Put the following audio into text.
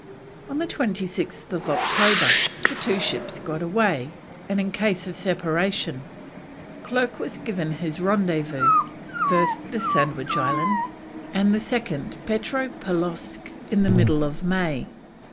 On 26th October the two ships got away, and, in case of separation, Clerke was given his rendezvous, first, the Sandwich Islands, and second, Petropaulowsk in the middle of May.